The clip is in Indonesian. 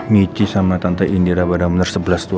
michi sama tante indira pada bener sebelas dua belas